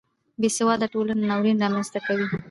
بې سواده ټولنه ناورین رامنځته کوي